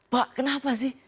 pak kenapa sih